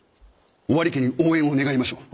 尾張家に応援を願いましょう。